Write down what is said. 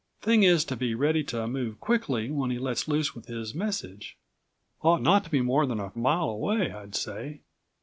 Thing is to be ready to move quickly when he lets loose with his message. Ought not to be more than a mile away, I'd say.